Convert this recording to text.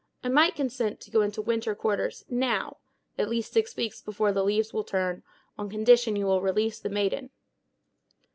I might consent to go into winter quarters, now —at least six weeks afore the leaves will turn—on condition you will release the maiden."